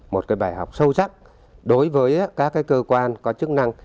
một bài học sâu sắc đối với các cơ quan có chức năng